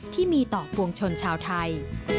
ที่มีต่อปวงชนชาวไทย